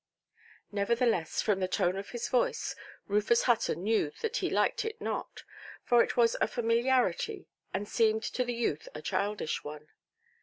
Nevertheless, from the tone of his voice, Rufus Hutton knew that he liked it not—for it was a familiarity, and seemed to the youth a childish one.